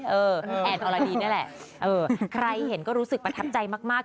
แอนอรดีนี่แหละเออใครเห็นก็รู้สึกประทับใจมาก